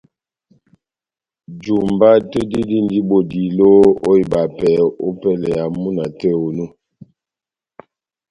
Jumba tɛ́h dí dindi bodilo ó ibapɛ ópɛlɛ ya múna tɛ́h onu